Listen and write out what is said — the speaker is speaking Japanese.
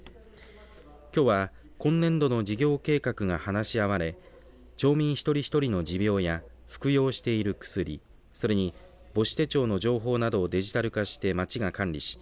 きょうは今年度の事業計画が話し合われ町民一人一人の持病や服用している薬、それに母子手帳の情報などをデジタル化して町が管理し